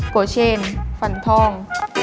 โกเชนฟันทอง